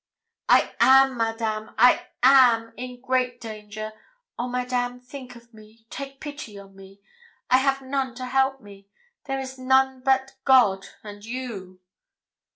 'I am, Madame I am in great danger! Oh, Madame, think of me take pity on me! I have none to help me there is no one but God and you!'